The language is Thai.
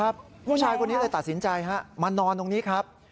ผู้ชายคนนี้เลยตัดสินใจฮะมานอนตรงนี้ครับ